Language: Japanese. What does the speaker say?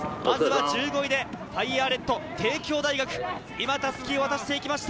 １５位でファイヤーレッド帝京大学、襷を渡していきました。